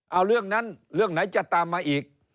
เอาเรื่องนั้นเรื่องไหนจะตามมาอีก